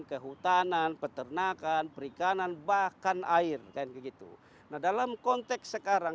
kehutanan peternakan perikanan bahkan air kan begitu nah dalam konteks sekarang